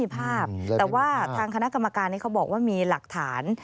แต่ว่าทางคณะกรรมการนี้เขาบอกว่ามีหลักฐาน